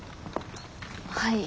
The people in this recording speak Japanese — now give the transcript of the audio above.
はい。